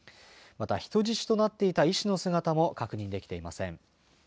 また人質となっていた医師の姿も確認できていません。